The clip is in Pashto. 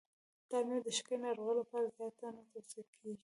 دا مېوه د شکرې ناروغانو لپاره زیاته نه توصیه کېږي.